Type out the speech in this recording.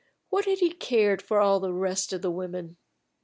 What had he cared for all the rest of the women?